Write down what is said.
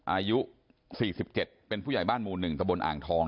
อายุ๔๗เป็นผู้ใหญ่บ้านหมู่๑ตะบนอ่างทอง